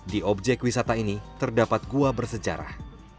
di objek wisata ini terdapat gua bersejarah